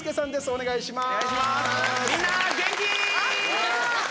お願いしまーす。